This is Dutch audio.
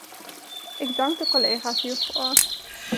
Ik dank de collega's hiervoor.